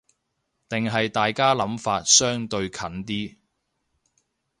定係大家諗法相對近啲